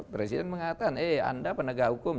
presiden mengatakan eh anda penegak hukum